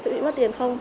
sẽ bị bắt